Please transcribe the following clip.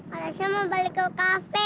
kak tasya mau balik ke kafe